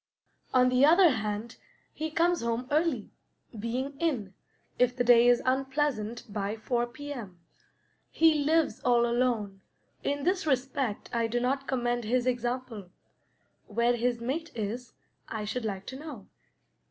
On the other hand, he comes home early, being in, if the day is unpleasant, by four P.M. He lives all alone; in this respect I do not commend his example. Where his mate is, I should like to know.